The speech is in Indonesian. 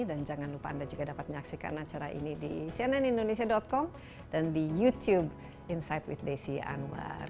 dan jangan lupa anda juga dapat menyaksikan acara ini di cnnindonesia com dan di youtube insight with desi anwar